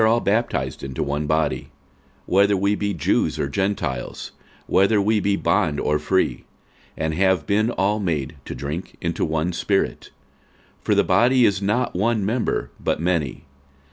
46:012:013 For by one Spirit are we all baptized into one body, whether we be Jews or Gentiles, whether we be bond or free; and have been all made to drink into one Spirit. 46:012:014 For the body is not one member, but many.